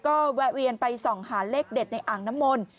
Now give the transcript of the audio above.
ก็แวะเวียนไปส่องหาเลขเด็ดในอ่างน้ำมนต์